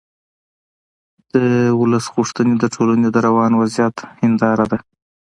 د ولس غوښتنې د ټولنې د روان وضعیت هنداره ده